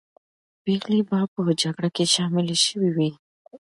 پېغلې به په جګړه کې شاملې سوې وې.